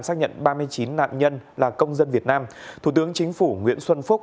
xác nhận ba mươi chín nạn nhân là công dân việt nam thủ tướng chính phủ nguyễn xuân phúc